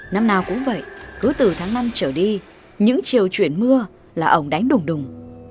năm nào cũng vậy cứ từ tháng năm trở đi những chiều chuyển mưa là ống đánh đùng đùng